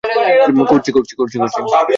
করছি, করছি!